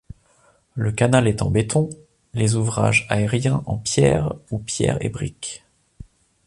Le canal est en béton, les ouvrages aériens en pierres ou pierres et briques.